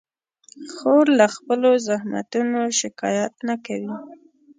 خور له خپلو زحمتونو شکایت نه کوي.